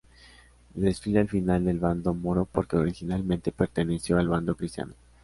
Desfila al final del bando moro porque originalmente perteneció al bando cristiano.